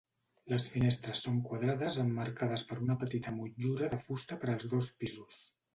Les finestres són quadrades emmarcades per una petita motllura de fusta per als dos pisos.